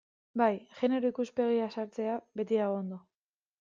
Bai, genero ikuspegia sartzea beti dago ondo.